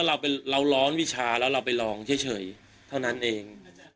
ไม่หมายเป็นเราร้อนวิชาแล้วเราไปลองเฉยเท่านั้นเอง